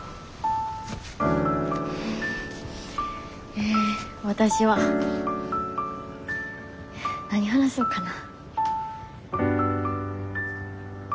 えわたしは何話そうかな。